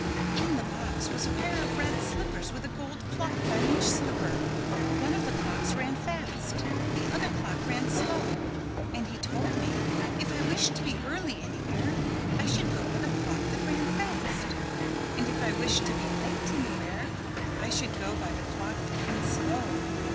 "In the box was a pair of red slippers with a gold clock on each slipper. One of the clocks ran fast. The other clock ran slow. And he told me if I wished to be early anywhere I should go by the clock that ran fast. And if I wished to be late anywhere I should go by the clock that ran slow.